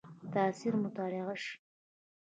تاثیر مطالعه شي.